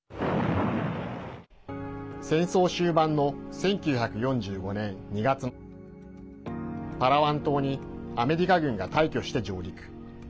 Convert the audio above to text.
戦争終盤の１９４５年２月パラワン島にアメリカ軍が大挙して上陸。